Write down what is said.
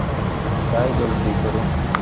তাই জলদি করুন।